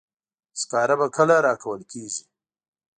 سکاره به کله راکول کیږي.